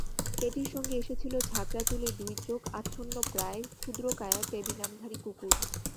কেটির সঙ্গে এসেছিল ঝাঁকড়া চুলে দুই চোখ আচ্ছন্নপ্রায় ক্ষুদ্রকায়া ট্যাবি-নামধারী কুকুর।